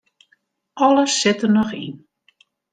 Alles sit der noch yn.